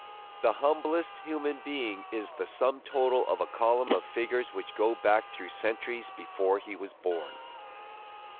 The humblest human being is the sum total of a column of figures which go back through centuries before he was born.